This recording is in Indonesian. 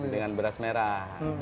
dengan beras merah